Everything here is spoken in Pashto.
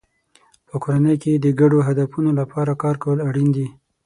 په کورنۍ کې د ګډو هدفونو لپاره کار کول اړین دی.